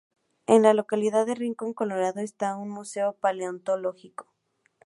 En la localidad de Rincón Colorado está un museo Paleontológico.